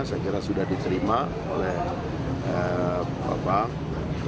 saya kira sudah diterima oleh bapak